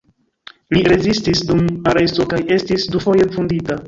Li rezistis dum aresto kaj estis dufoje vundita.